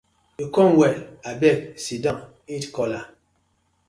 Yu com well, abeg siddon eat kola.